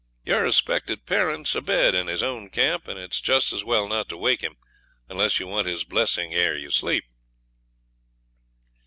Your respected parent's abed in his own camp, and it's just as well not to wake him, unless you want his blessing ere you sleep.'